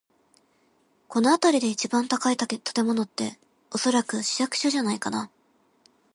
この辺りで一番高い建物って、おそらく市役所じゃないかな。